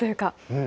うん。